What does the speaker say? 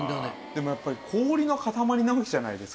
でもやっぱり氷の塊なわけじゃないですか。